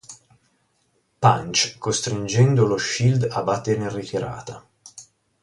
Punch, costringendo lo Shield a battere in ritirata.